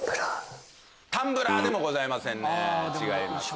タンブラーでもございませんね違います。